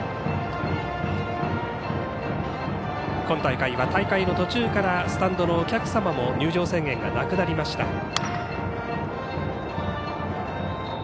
今大会は大会の途中からスタンドのお客様も入場制限がなくなりました。